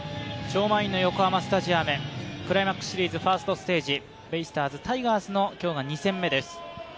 超満員の横浜スタジアムクライマックスシリーズファーストステージ、ベイスターズ×タイガースの今日は２戦目です。